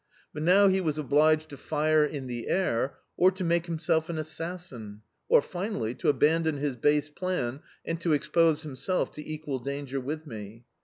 But now he was obliged to fire in the air, or to make himself an assassin, or, finally, to abandon his base plan and to expose himself to equal danger with me.